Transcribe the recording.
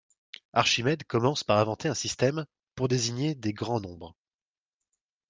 Archimède commence par inventer un système pour désigner des grands nombres.